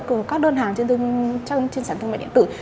các đơn hàng trên sản thương mại điện tử